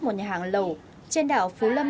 một nhà hàng lẩu trên đảo phú lâm